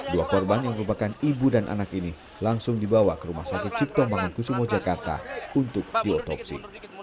dua korban yang merupakan ibu dan anak ini langsung dibawa ke rumah sakit cipto mangunkusumo jakarta untuk diotopsi